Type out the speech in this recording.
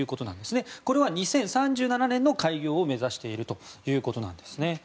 これは２０３７年の開業を目指しているということなんですね。